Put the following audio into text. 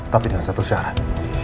tapi dengan satu syarat